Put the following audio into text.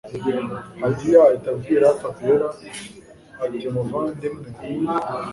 Hidaya ahita abwira Fabiora atimuvandimwe